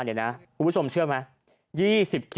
คุณผู้ชมเชื่อไหม